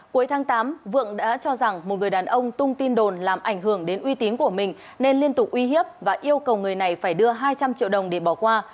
cuối tháng tám vượng đã cho rằng một người đàn ông tung tin đồn làm ảnh hưởng đến uy tín của mình nên liên tục uy hiếp và yêu cầu người này phải đưa hai trăm linh triệu đồng để bỏ qua